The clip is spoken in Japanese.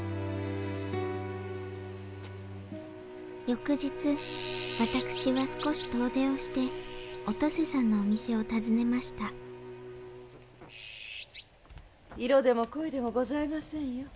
翌日私は少し遠出をしてお登世さんのお店を訪ねました色でも恋でもございませんよ。